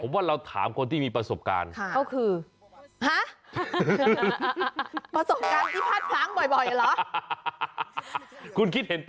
ผมว่าเราถามคนที่มีประสบการณ์